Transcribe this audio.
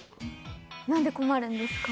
何で困るんですか？